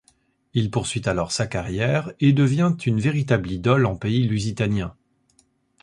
Il poursuit alors sa carrière et devient une véritable idole en pays lusitanien.